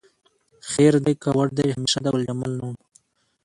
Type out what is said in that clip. خیر دی که وړ دې همیشه د ګلجمال نه وم